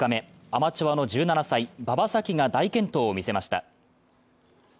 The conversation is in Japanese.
アマチュアの１７歳・馬場咲希が大健闘を見せました。